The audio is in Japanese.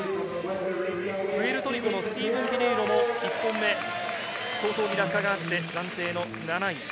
プエルトリコのスティーブン・ピネイロも１本目、早々に落下があって暫定の７位。